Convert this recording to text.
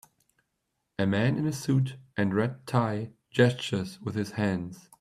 A man in a suit and red tie gestures with his hands.